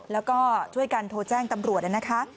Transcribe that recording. แล้วก็ช่วยกันโทรแจ้งตำรวจนะคะ